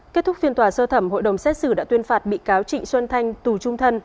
kết thúc phiên tòa sơ thẩm hội đồng xét xử đã tuyên phạt bị cáo trịnh xuân thanh tù trung thân